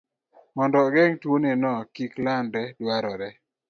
Mondo ogeng' tuwono kik landre, dwarore